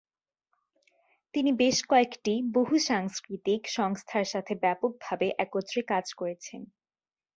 তিনি বেশ কয়েকটি বহু-সাংস্কৃতিক সংস্থার সাথে ব্যাপকভাবে একত্রে কাজ করেছেন।